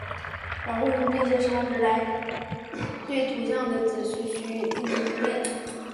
然后用这些差值来对图像的子区域进行分类。